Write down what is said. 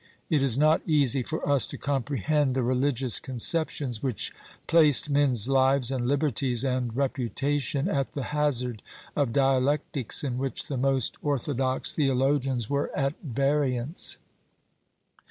^ It is not easy for us to comprehend the religious conceptions which placed men's lives and liberties and reputation at the hazard of dialectics in which the most ortho dox theologians were at variance.